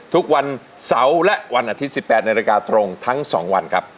ทุกวันเสาร์และวันอาทิตย์๑๘นาฬิกาตรงทั้ง๒วันครับ